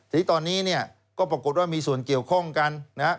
ทีนี้ตอนนี้เนี่ยก็ปรากฏว่ามีส่วนเกี่ยวข้องกันนะฮะ